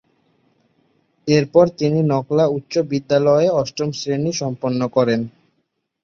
এরপর তিনি নকলা উচ্চ বিদ্যালয়ে অষ্টম শ্রেণি সম্পন্ন করেন।